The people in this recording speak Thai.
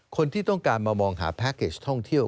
คนที่ต้องการมามองหาแพ็คเกจท่องเที่ยว